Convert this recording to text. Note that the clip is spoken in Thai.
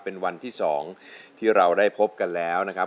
เป็นวันที่๒ที่เราได้พบกันแล้วนะครับ